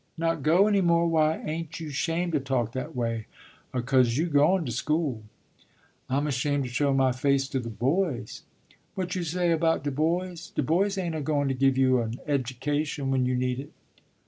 "Not go any more? Why, ain't you 'shamed to talk that way! O' cose you goin' to school." "I'm ashamed to show my face to the boys." "What you say about de boys? De boys ain't a goin' to give you an edgication when you need it."